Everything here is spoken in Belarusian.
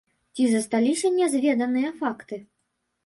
Ці засталіся нязведаныя факты?